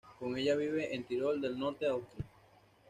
Con ella vive en Tirol del Norte, Austria.